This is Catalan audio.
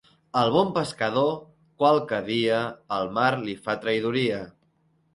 Al bon pescador, qualque dia el mar li fa traïdoria.